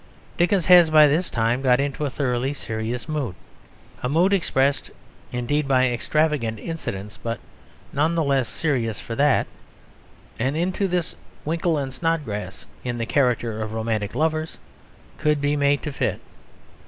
Dickens has by this time got into a thoroughly serious mood a mood expressed indeed by extravagant incidents, but none the less serious for that; and into this Winkle and Snodgrass, in the character of romantic lovers, could be made to fit.